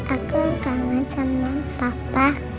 aku kangen sama papa